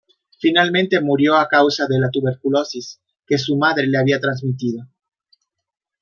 Finalmente murió a causa de la tuberculosis, que su madre le había transmitido.